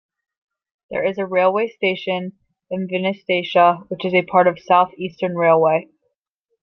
There is a railway station in Vinnytsia, which is a part of 'South-Eastern Railiway'.